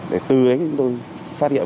để từ đấy chúng tôi phát hiện